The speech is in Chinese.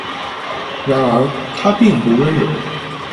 然而，她并不温柔。